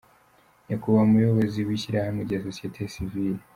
Nyakubahwa Muyobozi w’Ishyirahamwe rya Société Civile,